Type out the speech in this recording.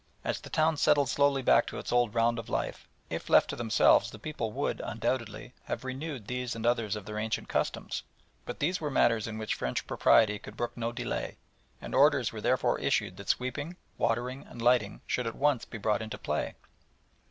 As the town settled slowly back to its old round of life, if left to themselves the people would, undoubtedly, have renewed these and others of their ancient customs; but these were matters in which French propriety could brook no delay, and orders were therefore issued that sweeping, watering, and lighting should at once be brought into play.